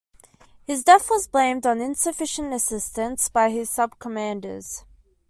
His death was blamed on insufficient assistance by his subcommanders.